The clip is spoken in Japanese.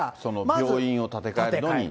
その病院を建て替えるのみ。